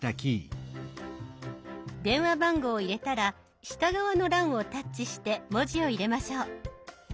電話番号を入れたら下側の欄をタッチして文字を入れましょう。